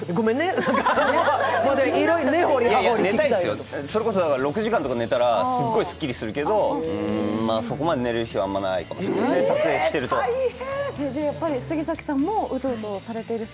寝たいですよ、それこそ６時間とか寝たらすごいすっきりするけど、まぁ、そこまで寝れる日はあんまりないかも、撮影してると。